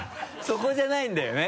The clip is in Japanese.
そこじゃないんだよね。